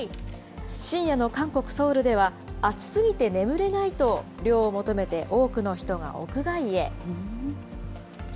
深夜の韓国・ソウルでは、暑すぎて眠れないと、涼を求めて多くの人が屋外へ。